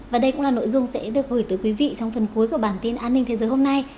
và đây cũng là nội dung sẽ được gửi tới quý vị trong phần cuối của bản tin an ninh thế giới hôm nay